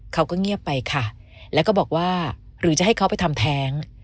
เขาก็เงียบไปค่ะแล้วก็บอกว่าหรือจะให้เขาไปทำแท้ง